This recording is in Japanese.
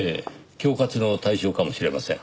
恐喝の対象かもしれません。